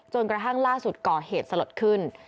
กระทั่งล่าสุดก่อเหตุสลดขึ้น